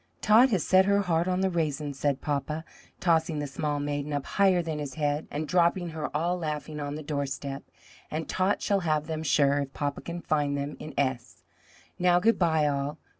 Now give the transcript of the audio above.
"Tot has set her heart on the raisins," said papa, tossing the small maiden up higher than his head, and dropping her all laughing on the door step, "and Tot shall have them sure, if papa can find them in S . Now good bye, all!